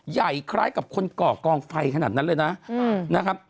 ใหญ่คล้ายกับคนก่อกองไฟขนาดนั้นเลยนะครับ